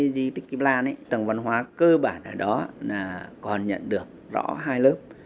di tích kim lan tầng văn hóa cơ bản ở đó là còn nhận được rõ hai lớp